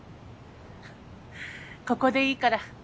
ここでいいから。